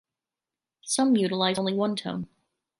Some utilize only one tone.